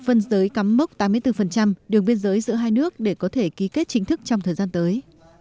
phân giới cắm mốc tám mươi bốn đường biên giới giữa hai nước để có thể ký kết chính thức trong thời gian tới